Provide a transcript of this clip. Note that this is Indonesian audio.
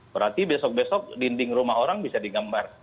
berarti besok besok dinding rumah orang bisa digambar